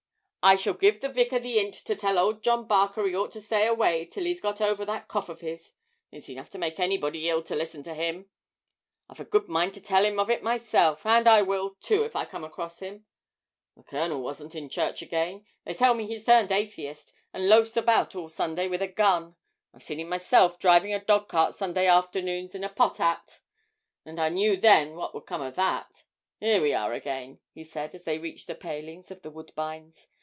I shall give the vicar the 'int to tell old John Barker he ought to stay away till he's got over that cough of his; it's enough to make anybody ill to listen to him. I've a good mind to tell him of it myself; and I will, too, if I come across him. The Colonel wasn't in church again. They tell me he's turned Atheist, and loafs about all Sunday with a gun. I've seen him myself driving a dog cart Sunday afternoons in a pot 'at, and I knew then what would come of that. Here we are again!' he said, as they reached the palings of 'The Woodbines.'